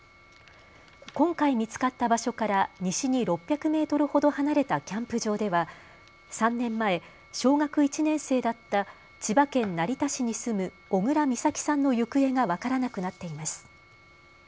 今回、見つかった場所から西に６００メートルほど離れたキャンプ場では３年前、小学１年生だった千葉県成田市に住む小倉美咲さんの行方が分からなくなっています。